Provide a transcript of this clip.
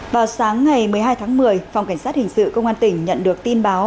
vào sáng ngày một mươi hai tháng một mươi phòng cảnh sát hình sự công an tỉnh nhận được tin báo